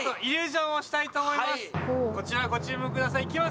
こちらご注目ください。